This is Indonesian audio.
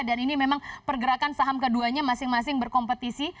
dan ini memang pergerakan saham keduanya masing masing berkompetisi